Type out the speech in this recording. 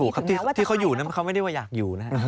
ครับที่เขาอยู่นั้นเขาไม่ได้ว่าอยากอยู่นะ